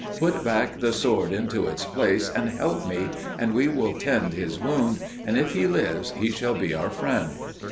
Put back the sword into its place and help me, and we will tend his wound, and if he lives he shall be our friend."